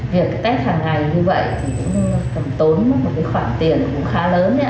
việc test hàng ngày như vậy cũng tốn một khoản tiền khá lớn